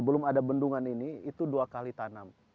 belum ada bendungan ini itu dua kali tanam